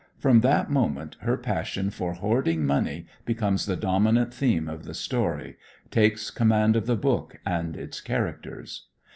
From that moment her passion for hoarding money becomes the dominant theme of the story, takes command of the book and its characters.